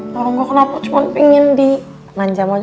kalau gak kenapa cuma pingin dimanja manja